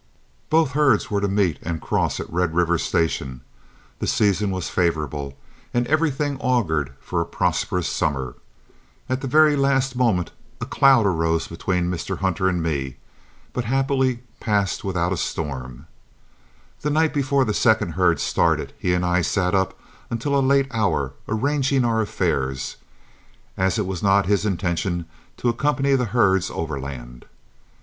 Both herds were to meet and cross at Red River Station. The season was favorable, and everything augured for a prosperous summer. At the very last moment a cloud arose between Mr. Hunter and me, but happily passed without a storm. The night before the second herd started, he and I sat up until a late hour, arranging our affairs, as it was not his intention to accompany the herds overland.